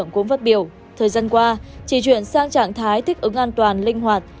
cũng phát biểu thời gian qua chỉ chuyển sang trạng thái thích ứng an toàn linh hoạt